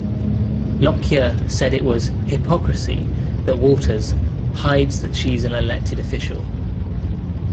Lockyer said it was "hypocrisy" that Walters "hides that she's an elected official".